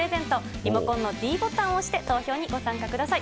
リモコンのｄボタンを押して投票にご参加ください。